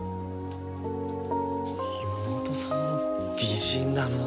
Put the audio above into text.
妹さんも美人だのう。